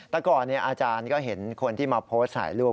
แต่ก่อนอาจารย์ก็เห็นคนที่มาโพสต์ถ่ายรูป